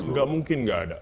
enggak mungkin enggak ada